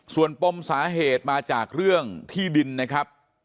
ส่วนปมสาเหตุมาจากเรื่องที่ดินนะครับ